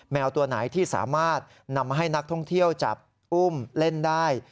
แมวตัวไหนที่สามารถนำให้นักท่องเที่ยวจับอุ้มเล่นได้